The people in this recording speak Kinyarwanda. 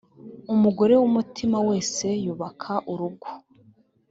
umugore w’umutima wese yubaka urugo